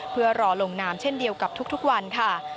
เพื่อรอลงนามเช่นเดียวกับทุกวันค่ะ